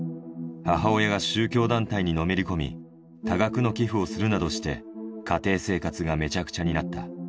母親が宗教団体にのめり込み、多額の寄付をするなどして、家庭生活がめちゃくちゃになった。